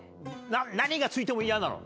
何が付いても嫌なの？